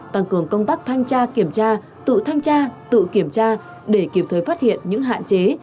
tăng cường công tác thanh tra kiểm tra tự thanh tra tự kiểm tra để kịp thời phát hiện những hạn chế